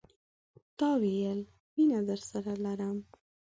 تا ویل، میینه درسره لرم